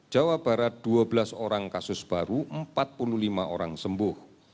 jawa barat dua belas orang kasus baru empat puluh lima orang sembuh